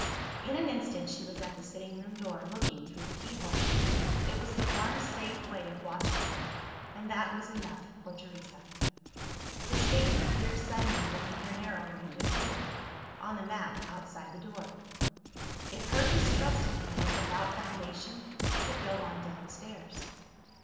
In an instant, she was at the sitting room door, looking through the keyhole. It was the one safe way of watching him and that was enough for Teresa. His figure appeared suddenly within her narrow range of view on the mat outside the door. If her distrust of him was without foundation, he would go on downstairs.